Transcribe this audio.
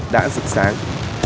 đã dựng sáng